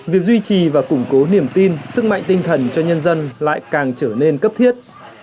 việc duy trì và củng cố niềm tin sức mạnh tinh thần cho nhân dân lại càng trở nên cấp thiết